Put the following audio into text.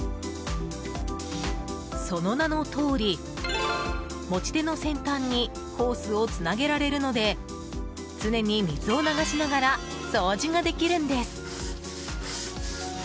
その名のとおり、持ち手の先端にホースをつなげられるので常に水を流しながら掃除ができるんです。